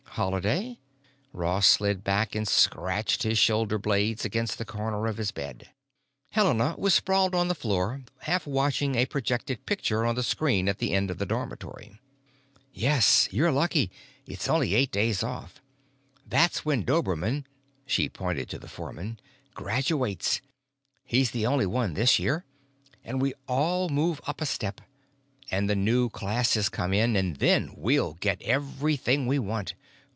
"Holiday?" Ross slid back and scratched his shoulder blades against the corner of his bed. Helena was sprawled on the floor, half watching a projected picture on the screen at the end of the dormitory. "Yes. You're lucky, it's only eight days off. That's when Dobermann——" she pointed to the foreman——"graduates; he's the only one this year. And we all move up a step, and the new classes come in, and then we all get everything we want.